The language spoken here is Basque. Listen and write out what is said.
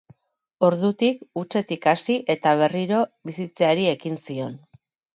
Ordutik, hutsetik hasi, eta berriro bizitzeari ekin zion.